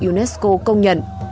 unesco công nhận